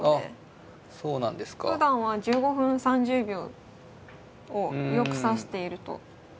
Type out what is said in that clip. ふだんは１５分３０秒をよく指していると。